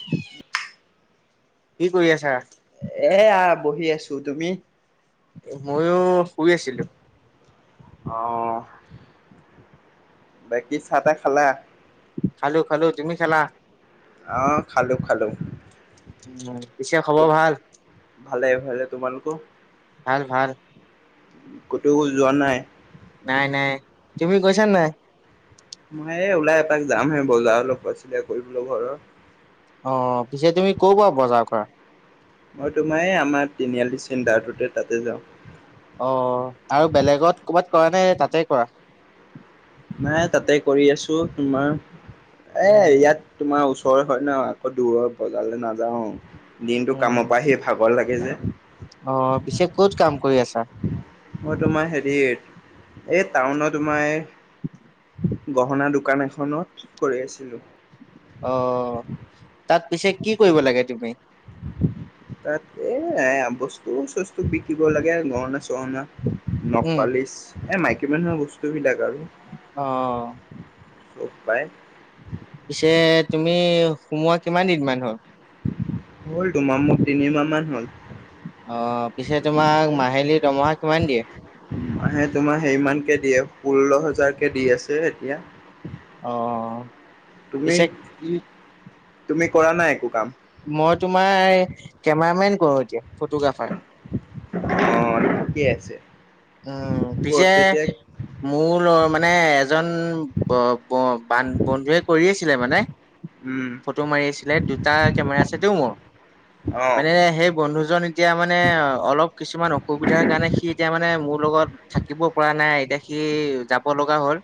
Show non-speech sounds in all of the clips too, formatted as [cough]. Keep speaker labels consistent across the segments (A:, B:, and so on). A: [unintelligible]
B: কি কৰি আছা?
A: এয়া বহি আছোঁ, তুমি?
B: ময়ো শুই আছিলোঁ।
A: অহ' বাকী চাহ তাহ খালা
B: খালো খালো তুমি খেলা
A: অ খালোঁ খালোঁ
B: উ পিছে খবৰ ভাল
A: ভালে ভালে তোমালোকো
B: ভাল ভাল
A: ক'তোও যোৱা নাই
B: নাই নাই তুমি কৈছা নাই
A: মই এই ওলাই এপাক যাম হে বজাৰৰ লগ পাইছিলে কৰিবলৈ ঘৰৰ
B: অ পিছে তুমি ক পৰাোৱা বজাৰ কৰা
A: মই তোমাৰ আমাৰ তিনিআলি চিডাৰটোতে তাতে যাওঁ
B: অ আৰু বেলেগত ক'বাত কৰা নে তাতে কৰা
A: নাই তাতে কৰি আছো তোমাৰ এ ইয়াত তোমাৰ ওচৰ হয় ন আকৌ দূৰৰ বজাৰলৈ নাযাও দিনতটো
B: উম,
A: কামৰ পৰাহি ভাল খাগৰ লাগে যে
B: অ পিছে ক'ত কাম কৰি আছা
A: মই তোমাৰ হেৰি এই টাউন তোমাৰ এই গহনা দোকান এখনত কৰি আছিলো
B: অ তাত পিছে কি কৰিব লাগে তুমি
A: তা এ এ বস্তু চস্তু বিকিব লাগে গৰনাা চৰণা
B: উম,
A: নপালিছ এ মাইকী মানুহৰ বস্তুবিলাক আৰু
B: অ
A: চ পায়
B: পিছে তুমি সোমোৱা কিমান দিন মান হল
A: হ'ল তোমাৰ মখ তিনিমাহ মান হ'ল
B: অ পিছে তোমাক মাহিলী দমহা কিমান দিয়ে
A: মে তোমাৰ সেইমানকে দিয়ে ষোল্ল হাজাৰ কেে দি আছে এতিয়া
B: অ
A: তুমি
B: পিছে
A: কি তুমি কৰা নাই একো কাম
B: মই তোমাৰ কেমেৰামেন কৰো এতিয়া ফটোগ্ৰাফাৰ
A: অ ঠিকেই আছে
B: উম
A: ক'ত
B: পিছে
A: তেতিয়া
B: মোৰ মানে এজন বান বন্ধুৱে কৰি আছিলে মানে
A: উম
B: ফটো মাৰি আছিলে দুটা কেমেৰা আছেটো মোৰ
A: অ
B: মানে সেই বন্ধুজন এতিয়া মানে অলপ কিছুমান অসুবিধাৰ কাৰণে সি এতিয়া মানে মোৰ লগত থাকিব পৰা নাই এতিয়া সি যাব লগা হ'ল।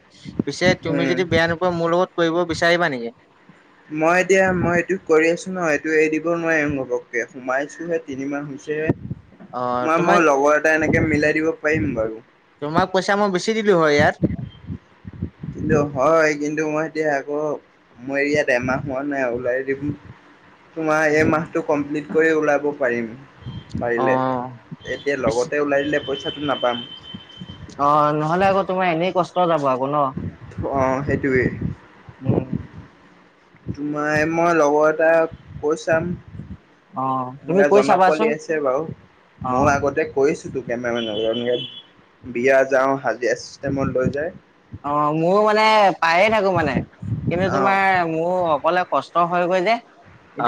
B: পিছে তুমি
A: উম
B: যদি বেয়া নোপোৱা মোৰ লগত কৰিব বিচাৰিবা নেকি
A: [inaudible] মই এতিয়া মই এইটো কৰি আছো ন এইটো এৰি দিব নোৱাৰিম ঘপকে সোমাইছোহে তিনি মাহ হৈছেহে
B: অ
A: মই
B: তোমাক
A: মই লগৰ এটা এনেকে মিলাই দিব পাৰিম বাৰু
B: তোমাক পইচা মই বেছি দিলো হয় ইয়াত
A: কিন্তু হয় কিন্তু মই এতিয়া আকৌ মই ইয়াত এমাহ হোৱা নাই ওলাই দিম তোমাৰ এই মাহটো কমপ্লিট কৰি ওলাব পাৰিম
B: অ
A: পাৰিলে এতিয়া
B: পিছে
A: লগতে ওলাই দিলে পইচাটো নাপাম
B: অ' নহলে আকৌ তোমাৰ এনেই কষ্ট যাব আকৌ ন
A: অ' সেইটোৱে
B: উম [inaudible]
A: তোমাৰ মই লগৰ এটাক কৈ চাম
B: অ তুমি
A: এনেকাে
B: কৈ
A: জনা পোৱালি
B: চাবাচোন
A: আছে বাৰু
B: অ
A: মই আগতে কৰিছোঁতো কেমেৰামেনৰ লগত, বিয়া যাওঁ হাজিৰা চিষ্টেমত লৈ যায়।
B: অ' মোৰ মানে পায়ে থাকো মানে কিন্তু
A: অ
B: তোমাৰ মোৰ অকলে কষ্ট হয় গৈ, যে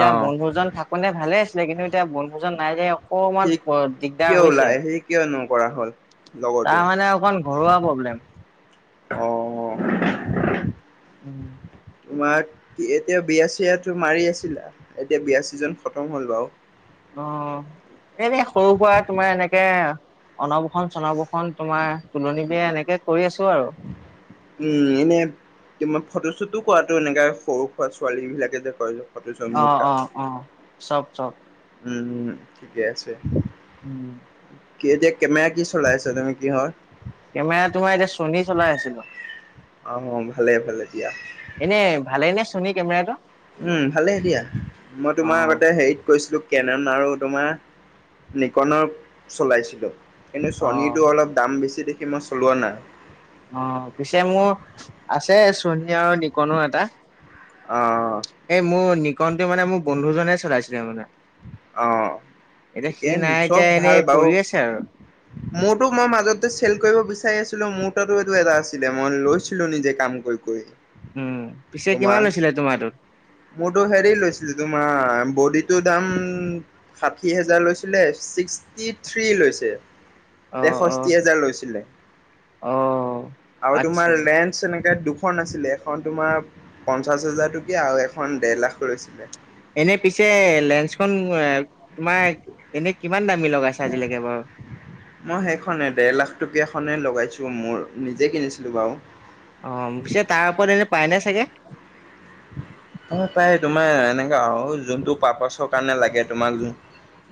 A: অ
B: বন্ধুজন থাকে। কোনে ভালে আছিলে কিন্তু এতিয়া বন্ধুজন নাই যে
A: সি
B: অকমান দিগদাৰ
A: কিয়
B: হৈছে।
A: ওলাই সি কিয় নকৰা হ'ল
B: তাৰ
A: লগৰটোৱে
B: মানে অকণ ঘৰুৱা প্ৰব্লেম।
A: অ
B: উম [inaudible]
A: তোমাক এতিয়া বিয়াচিয়াটো মাৰি আছিলা, এতিয়া বিয়া ছিজনটো খতম হ'ল বাৰু।
B: অ' এনে সৰু সুৰা তোমাৰ এনেকে অনপসন চনপসন খন তোমাৰ তোলনি বিয়া এনেকে কৰি আছো আৰু।
A: উম, এনে তোমাৰ ফটোশ্বুতটো কৰাটো এনেকা সৰু সুৰা ছোৱালী বিলাকে যে ফটো শ্বুট
B: অ'
A: মেকআপ
B: অ' অ' চব চব।
A: উম, ঠিকে আছে।
B: [inaudible]
A: কি এতিয়া কেমেৰা কি চলাইছা তুমি কিহৰ
B: কেমেৰা তোমাৰ এতিয়া চণী চলাই আছিলো।
A: আহ, ভালে ভালে দিয়া।
B: এনে ভালে নে চনী কেমেৰাটো?
A: উম ভালে দিয়া, মই
B: অ
A: তোমাৰ আগতে হেৰিত কৈছিলো। কেনন আৰু তোমাৰ, নিকনৰ চলাইছিলো, কিন্তু
B: অ
A: চনীটো অলপ দাম বেছি দেখি মই চলোৱা নাই।
B: অ' পিছে মোৰ আছে চনী আৰু নিকনৰ এটা
A: অ'।
B: এই মোৰ নিকনটো মানে মোৰ বন্ধুজনে চলাইছিলে মানে।
A: অ
B: এতিয়া
A: ঠিকে
B: সি নাই
A: চব
B: এতিয়া
A: ভাল
B: এনেই
A: বাৰু
B: পৰি আছে আৰু।
A: [inaudible] মোৰতো মই মাজতে চেল কৰিব বিচাৰি আছিলো মোৰ তাতো এটা আছিলে মই লৈছিলো নিজে কাম কৰি কৰি।
B: উম, পিছে
A: তোমাৰ
B: কিমান লৈছিলে তোমাৰটোত?
A: মোৰতো হেৰি লৈছিলো তোমাৰ বডিটো দাম, ষাঠি হোজাৰ লৈছিলে ছিক্সটি থ্ৰী লৈছে।
B: অ অ
A: তেষষ্ঠি হাজাৰ লৈছিল,
B: অ
A: আৰু
B: আচ্ছা
A: তোমাৰ এনেকৈ দুখন আছিলে, এখন তোমাৰ পঞ্চাছ হাজাৰ টকীয়া আৰু এখন ডেৰ লাখ লৈছিলে।
B: এনে পিছে লেন্ঞ্চখন তোমাৰ এনে কিমান দামী লগাইছ আজিলৈকে বাৰু।
A: মই সেইখনেই ডেৰ লাখ টকীয়াখনে লগাইছোঁ মোৰ নিজে কিনিছিলোঁ বাৰু।
B: অ' পিছে তাৰ ওপৰত এনে পায় নাই চাগে।
A: অ' পাই তোমাৰ এনেকা আৰু যোনটো পাৰাপচৰ কাৰণে লাগে তোমাক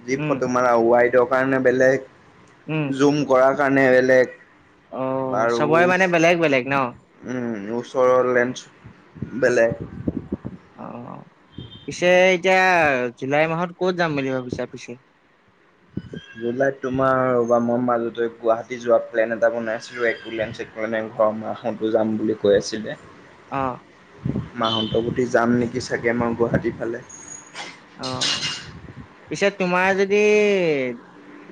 A: যি
B: উম
A: ফটো মাৰা ৱাইডৰ কাৰণে বেলেগ,
B: উম
A: জুম কৰাৰ কাৰণে বেলেগ।
B: অ
A: বাৰু
B: চবৰে মানে বেলেগ বেলেগ ন
A: উম ওচৰৰ লেঞ্চ বেলেগ।
B: অ' পিছে এতিয়া জুলাই মাহত কত যাম বুলি ভাবিছা পিছে?
A: জুলাইত তোমাৰ বা মই মাজতে গুৱাহাটী যোৱা প্লেন এটা বনাইছিলোঁ একলেন চেকু মানে ঘৰৰ মা হত যাম বুলি কৈ আছিলে।
B: অ
A: মা হন্তবটি যাম নেকি চাগে মই গুৱাহাটীৰ ফালে।
B: অ' পিছে তোমাৰ যদি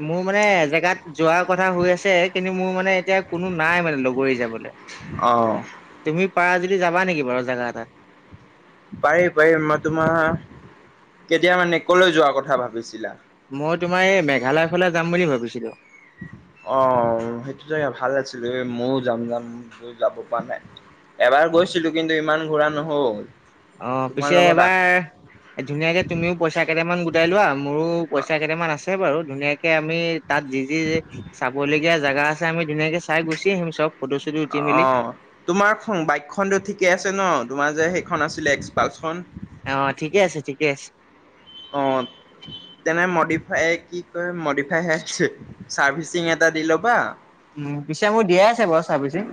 B: মোৰ মানে জেগাত যোৱাৰ কথা হৈ আছে কিন্তু মোৰ মানে এতিয়া কোনো নাই মানে লগৰী যাবলৈ।
A: অ'।
B: তুমি পাৰা যদি যাবা নেকি বাৰু জাগা এটা?
A: পাৰিম পাৰিম, মই তোমাৰ কেতিয়া মানে কলৈ যোৱা কথা ভাবিছিলা?
B: মই তোমাৰ এই মেঘালয়ৰ ফালে যাম বুলি ভাবিছিলো।
A: অ' সেইটো জেগা ভাল আছিলো এই ময়ো যাম যাম গ। যাব পৰা নাই এবাৰ
B: অ
A: গৈছিলোঁ কিন্তু ইমান ঘূৰা নহল।
B: অ,
A: তোমাৰ
B: পিছে
A: লগত আ
B: এবাৰ ধুনীয়াকে তুমিও পইচা কেইটামান গোটাই লোৱা মোৰো পইচা কেইটামান আছে বাৰু ধুনীয়াকে আমি তাত যি যি চাবলগীয়া জাগা আছে আমি ধুনীয়াকে চাই গুচি আহিম চব। ফটো চটো উঠি মেলি
A: অ, তোমাৰ বাইকখনতো ঠিকেই আছে ন তোমাৰ যে সেইখন আছিলে এক্সপালছখন?
B: অ, ঠিকে আছে ঠিকে আছে।
A: অ, তেনে মডিফাই কি কয় মডিফাই চাৰ্ভিচিং এটা দি ল'বা,
B: উম, পিছে মোৰ দিয়াই আছে বাৰু চাৰৰ্ভিচিঙ,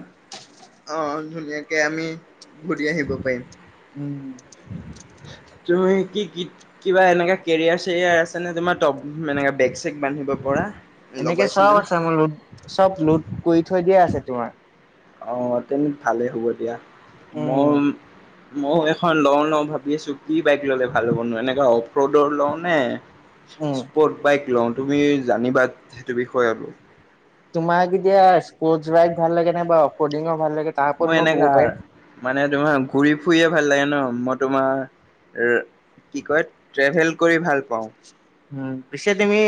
A: আহ, ধুনীয়াকে আমি ঘূৰি আহিব পাৰিম।
B: উম,
A: তুমি কি কি কিবা এনে কেৰিয়াৰ চেৰিয়াৰ আছে নে তোব এনেকা বেগ চেগ বান্ধিব পৰা?
B: এনেকে
A: লগাইছিলা
B: চব
A: নে?
B: আছে মোৰ লোড চব লোড কৰি থৈ দিয়া আছে তোমাৰ।
A: অ, তেন্তে ভালেই হ'ব মই
B: উম।
A: মই এখন লওঁ লওঁ ভাবি আছো কি বাইক ল'লে ভাল হ'বনো এনেকুৱা অফ ৰ'ডৰ লওঁ নে
B: উম।
A: ইচস্পৰ্ট বাইক লওঁ তুমি জানিবা সেইটো বিষয়ে আৰু।
B: তোমাক এতিয়া স্পৰ্টছ বাইক ভাল লাগে নে বা অফৰৰ্ডিঙৰ ভাল লাগে তাৰ ওপৰত
A: মই
B: ক'ব
A: এনেকা
B: পাৰিম।
A: মানে তোমাৰ ঘূৰি ফুৰিয়ে ভাল লাগে ন মই তোমাৰ কি কয় ট্ৰেভেল কৰি ভাল পাওঁ,
B: উম, পিছে তুমি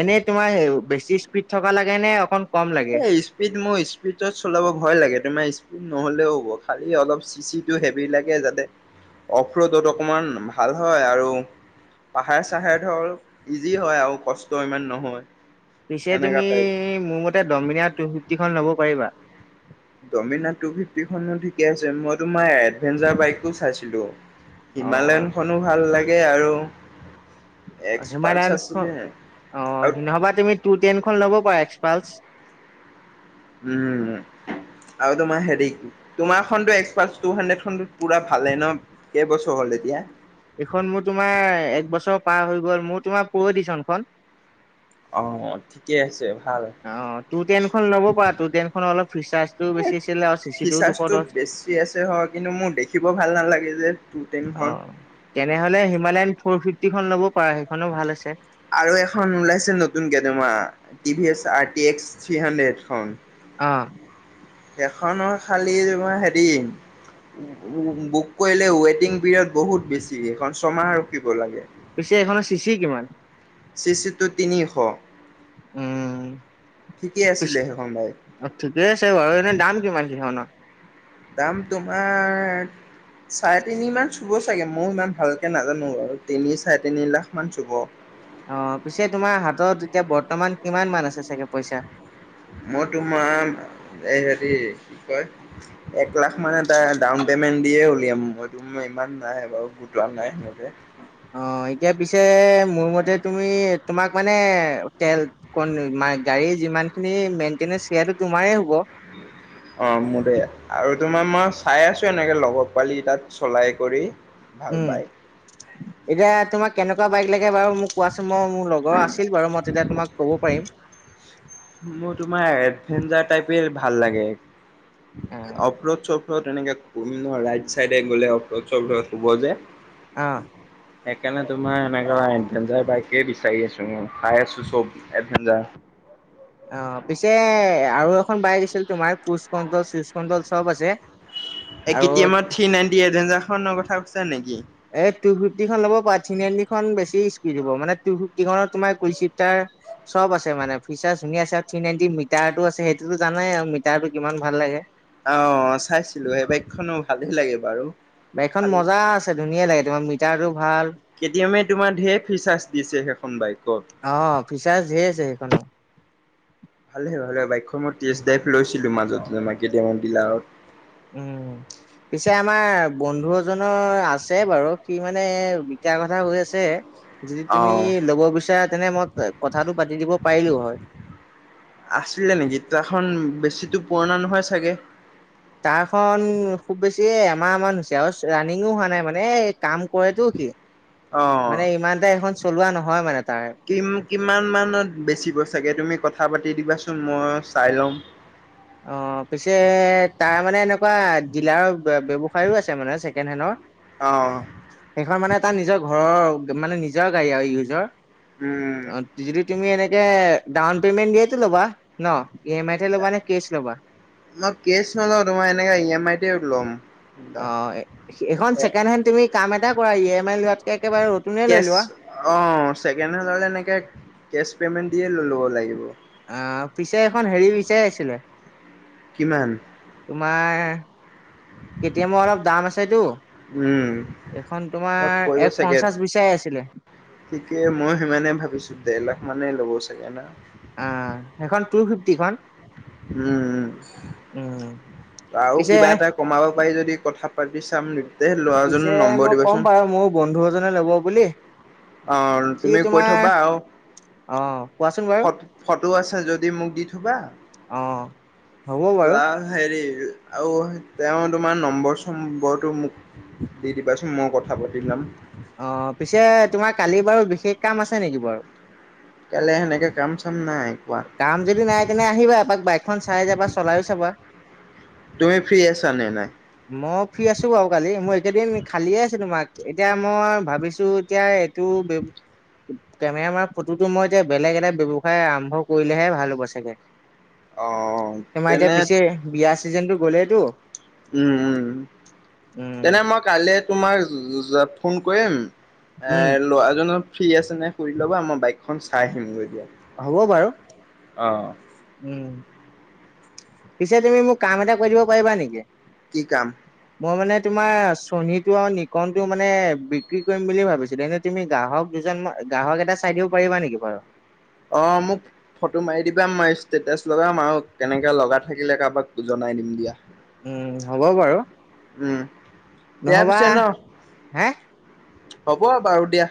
B: এনেই তোমাৰ বেছি স্পীড থকা লাগে নে অকণ
A: এই স্পীড মোৰ স্পীডত চলাব ভয় লাগে তোমাৰ স্পীড নহ'লেও হ'ব খালি অলপ চিচিটো হেভি লাগে যাতে, অফৰোডত অকমান ভাল হয় আৰু পাহাৰ চাহাৰে ধৰ ইজি হয় আৰু কষ্ট ইমান নহয়।
B: পিছে
A: সেনেকা
B: তুমি
A: টাইপ।
B: মোৰ মতে দমিনাৰ টু ফিফটি খন ল'ব পাৰিবা।
A: দমিনাৰ টু ফিফটিখনো ঠিকে আছে মই তোমাৰ এডভেঞ্চাৰ বাইক চাইছিলো,
B: অ
A: হিমালয়নখনো ভাল লাগে আৰু,
B: অ,
A: এক্সপালছ
B: হিমালয়ান খ
A: আছিলে
B: অ
A: আৰু
B: নহবা তুমি টু টেনখন ল'ব পাৰা এক্সপালচ।
A: উম, আৰু তোমাৰ হেৰি তোমাৰ খোন এক্সপালচ টু হাড্ৰেড খন পুৰা ভালে ন? কেইবছৰ হ'ল এতিয়া?
B: এইখন মোৰ তোমাৰ এক বছৰ পাৰ হৈ গ'ল মোৰ তোমাৰ প্ৰ এদিছনখন।
A: অ' ঠিকে আছে ভাল।
B: অ, তোৰ টেনখন ল'ব পাৰ। তোৰ টেনখন, অলপ ফি-চাৰ্জটোও বেছি আছিলে, আৰু চিচিটোও দুশ
A: ফিচাৰ্চটো
B: দহ।
A: বেছি আছে, হয়, কিন্তু মোৰ দেখিব ভাল নালাগে যে। টু
B: অ,
A: টেনখন।
B: তেনেহ'লে, হিমালয়ন ফ'ৰ ফিফটি খন ল'ব পাৰা। সেইখনো ভাল আছে।
A: আৰু, এখন ওলাইছে নতুনকে, তোমাৰ টি ভি এছ থ্ৰী হাণ্ড্ৰেডখন।
B: অ।
A: এখনৰ, খালি, তোমাৰ হেৰি বুক কৰিলে, ৱেটিং পিৰিয়ড বহুত বেছি। সেখন, ছমাহ ৰখিব লাগে।
B: পিছে, এখনৰ চিচি কিমান?
A: চিচি, তোৰ তিনিশ
B: উম,
A: ঠিকেই আছিলে। সেইখন বাইক।
B: অ, ঠিকে আছে বাৰু। এনে, দাম কিমান, সিখনত?
A: দাম, তোমাৰ চাৰে তিনি মান, চুব চাগে, মই ইমান ভালকে নাজানো, আৰু তিনি-চাৰে তিনি লাখ মান চুব।
B: অ, পিছে, তোমাৰ হাতত এতিয়া, বৰ্তমান, কিমান মান আছে, চাগে, পইচা?
A: মই, তোমাৰ এই, হেৰি, কি কয় এক লাখ মানে, তাৰে ডাউন পেমেণ্ট দিয়ে উলিয়াম। ইমান নাই বাৰু। [unintelligible] নাই, সেনেকে।
B: অ' এতিয়া পিছে মোৰ মতে তুমি তোমাক মানে তেল কন মা-গাড়ীৰ যিমানখিনি মেইনটেনেন্স সেয়াটো তোমাৰেই হ'ব।
A: অ' মোৰে আৰু তোমাৰ মই চাই আছোঁ এনেকে লগৰ পোৱালি তাত চলাই কৰি। ভাল
B: উম,
A: পাই,
B: এতিয়া তোমাক কেনেকুৱা বাইক লাগে বাৰু মোক কোৱাচোন। মই মোৰ লগ লগৰ আছিল বাৰু, মই তেতিয়া তোমাক ক'ব পাৰিম।
A: মোৰ তোমাৰ এডভেঞ্চাৰ টাইপে ভাল লাগে।
B: অ
A: অপ্ৰ চপ্ৰত তেনেকে শূন্য ৰাই চাইড গ'লে অপ্ৰ চপ্ৰত থব যে।
B: আ।
A: সেইকাৰণে তোমাৰ এনেকুৱা এডভেঞ্চাৰ বাইকে বি চাৰি আছোঁ মই। পাই আছোঁ চব এডভেঞ্চাৰ।
B: অ' পিছে আৰু এখন বাইক আছিলে তোমাৰ, কোচ কন্দল, চুচ কণ্ডল চব আছে।
A: এ, কে
B: আৰু
A: টি এমৰ থি নাইনটি এভডেঞ্চাৰৰ কথা কৈছা নেকি?
B: এই টু ফিফটিখন ল'ব পাৰ। থ্ৰী নাইনটিখন বেছি স্পকীড হ'ব, মানে টু ফিফটিখনৰ তোমাৰ কুইছিটাৰ চব আছে, মানে ফিচাৰ ধুনীয়া আছে, আৰু থ্ৰী নাইনটি মিটাৰটো আছে, সেইটোতো জানাই আৰু মিটাৰটো কিমান ভাল লাগে।
A: অ' চাইছিলোঁ। সেই বাইকখনো ভালে লাগে বাৰু।
B: বাইকখন
A: খালি
B: মজা আছে, ধুনীয়া লাগে, তোমাৰ মিটাৰটো ভাল।
A: কেটি এমে তোমাৰ ঢেৰ ফিচাৰ্চ দিছে, সেইখন বাইকৰ।
B: অ ফিচাৰ্চ ধেৰ আছে সেইখনৰ
A: ভালে ভালে, বাইকখন মই টেষ্ট ড্ৰাইভ লৈছিলোঁ মাজতে কেটি এমৰ ডিলাৰত।
B: উম। পিছে, আমাৰ বন্ধু এজনৰ আছে বাৰু। সি, মানে বিকাৰ কথা হৈ আছে। যদি
A: অ
B: তুমি ল'ব বিচাৰা তেনে মই কথাটো পাতি দিব পাৰিলো হয়।
A: আছিলে নেকি, তাৰখন বেছিটো পুৰণা নহয় চাগে।
B: তাৰখন খুব বেছি এমাহমান হৈছে, আৰু ৰানিংও হোৱা নাই, মানে এ কাম কৰে তো সি,
A: অ
B: মানে ইমান এটা এখন চলোৱা নহয় মানে তাৰ।
A: কিম-কিমান মানত বেচিব চাগে, তুমি কথা পাতি দিবাচোন, মই চাই ল'ম।
B: অ' পিছে তাৰ মানে এনেকুৱা ডিলাৰৰ ব্যৱ ফাইভো আছে মানে ছেকেণ্ড হেণ্ডৰ।
A: অ
B: সেইখন মানে তাৰ নিজৰ ঘৰৰ মানে নিজৰ গাড়ী আৰু ইউজৰ।
A: উম।
B: অ' যদি তুমি এনেকে ডাউন পেমেণ্ট দিয়েটো ল'বা ন'? ই এম আই হে ল'বা নে? কিচ ল'বা?
A: ন' কেছ নলও, তোমাৰ এনেকা ই এম আইতেই ল'ম।
B: অ' সেইখন
A: এ
B: ছেকেণ্ড হেণ্ড তুমি কাম এটা কৰা, ই এম আইত লোৱাতকে একেবাৰে নতুনে লৈ
A: কেছ
B: লোৱা
A: অ' ছেকেণ্ড হেণ্ডলৈ এনেকৈ কেছ পে'মেণ্ট দিয়ে লৈ ল'ব লাগিব।
B: অ' পিছে এখন হেৰি বিচাৰি আছিলে।
A: কিমান?
B: তোমাৰ কেটি এমৰ অলপ দাম আছেতো
A: উম।
B: এইখন তোমাৰ এক পঞ্চাশ বিচাৰ আছিলে।
A: থিকেই মই সিমানে ভাবিছোঁ, দেৰ লাখ মানে ল'ব চাগে না।
B: আ, হেইখন টু ফিফটিখন?
A: উম,
B: উম
A: আৰু
B: পিছে
A: কিবা এটা কমাব পাৰি যদি কথা পাতি চাম তে ল'ৰাজনৰ
B: পিছে
A: নম্বৰ
B: মই ক'ম
A: দিবাচোন
B: বাৰু মোৰ বন্ধু এজনে ল'ব বুলি।
A: অ'
B: সি
A: তুমি কৈ
B: তোমাৰ
A: থ'বা আৰু
B: অ কোৱাচোন বাৰু
A: ফ-ফটো আছে যদি মোক দি থ'বা।
B: অ হ'ব বাৰু।
A: বা হেৰি আৰু তেওঁৰ তোমাৰ নম্বৰ চম্বৰটো মোক দি দিবাচোন মই কথা পাতি ল'ম।
B: অ' পিছে তোমাৰ কালি বাৰু বিশেষ কাম আছে নেকি বাৰু?
A: কাইলে সেনেকে কাম চাম নাই। কোৱা
B: কাম যদি নাই তেনে আহিবা এপাক বাইকখন চাই যাবা চলাইো চাবা।
A: তুমি ফ্ৰী আছা নে নাই।
B: মই ফ্ৰী আছো বাৰু কালি মই এইকেইদিন খালিয়ে আছো তোমাক এতিয়া মই ভাবিছো এতিয়া। তো কেমেৰামাৰ ফটোতটো মই এতিয়া বেলেগ এটা ব্যয়ৱসায় আৰম্ভ কৰিলেহে ভাল হ'ব চাগে
A: অ
B: তোমাৰ এতিয়া
A: তেনে
B: পিছে বিয়া। চিজনতটো গ'লেইতটো।
A: উম, উম, তেনে মই কাইলৈ তোমাক যোৱাত ফোন কৰিম। এ
B: উম
A: ল'ৰাজনৰ ফ্ৰী আছে নে সুধি ল'বা মই বাইকখন চাই আহিমগৈ এতিয়া
B: হ'ব বাৰু
A: অ'
B: উম, পিছে তুমি মোক কাম এটা কৰি দিব পাৰিবা নেকি?
A: কি কাম।
B: মই মানে তোমাৰ চনীটো আৰু নিকন টো মানে বিক্ৰী কৰিম বুলি ভাবিছিলো এনে তুমি গ্ৰাহক দুজন ম গ্ৰাহক এটা চাই দিব পাৰিবা নেকি বাৰু।
A: অ' মোক ফটো মাৰি দিবা মই ষ্টেটাছ লগাম আৰু কেনেকে লগা থাকিলে কাৰোবাক জনাই দিম দিয়া।
B: উম, হ'ব বাৰু।
A: উম, দিয়া
B: নহ'বা
A: পিছে ন
B: হে
A: হ'ব বাৰু দিয়া।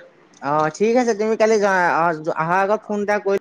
B: অ' ঠিক আছে তুমি কালি অ অহাৰ আগত ফোন এটা কৰি